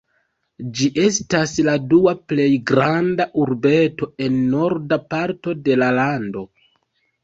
Ĝi estas la dua plej granda urbeto en norda parto de la lando.